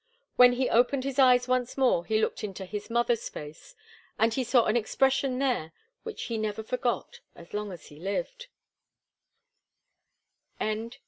When he opened his eyes once more he looked into his mother's face, and he saw an expression there which he never forgot as long as he lived.